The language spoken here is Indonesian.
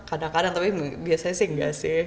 kadang kadang tapi biasanya sih enggak sih